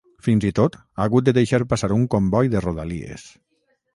Fins i tot, ha hagut de deixar passar un comboi de rodalies.